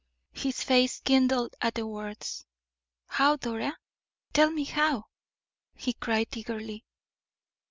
His face kindled at the words. "How, Dora? Tell me how!" he cried, eagerly.